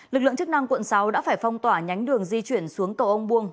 lực lượng chức năng quận sáu đã phải phong tỏa nhánh đường di chuyển xuống cầu ông buông